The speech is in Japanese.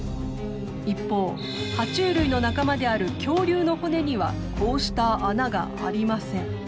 一方は虫類の仲間である恐竜の骨にはこうした穴がありません。